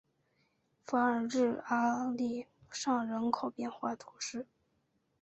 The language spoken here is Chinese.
法尔日阿利尚人口变化图示